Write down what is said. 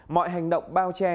mọi hành động bao che